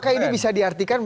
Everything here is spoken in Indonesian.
apakah ini bisa diartikan